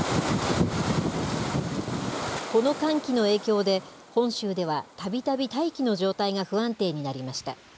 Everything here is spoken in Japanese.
この寒気の影響で、本州ではたびたび大気の状態が不安定になりました。